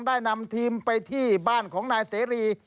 นำทีมไปที่บ้านของนายเสรี